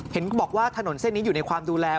เห็นบอกว่าถนนเส้นนี้อยู่ในความดูแล